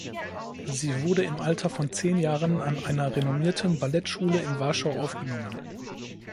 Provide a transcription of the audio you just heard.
Sie wurde im Alter von zehn Jahren an einer renommierten Ballettschule in Warschau aufgenommen.